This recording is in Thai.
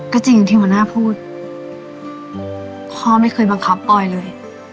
ก็จริงที่หัวหน้าพูดพ่อไม่เคยบังคับออยเลย